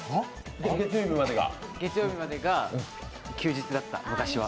月曜日までが休日だった、昔は。